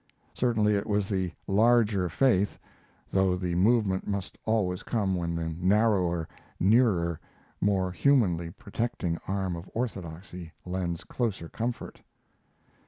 Certainly it was the larger faith; though the moment must always come when the narrower, nearer, more humanly protecting arm of orthodoxy lends closer comfort.